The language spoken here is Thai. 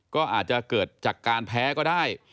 ก็อาจจะเกิดจากการแพ้ก็ได้